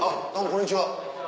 こんにちは。